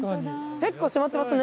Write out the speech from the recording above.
結構閉まってますね。